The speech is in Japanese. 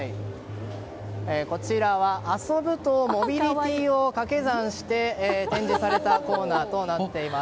こちらは、遊ぶとモビリティーを掛け算して展示されたコーナーとなっています。